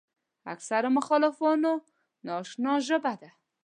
اکثرو مخالفانو ناآشنا ژبه ده.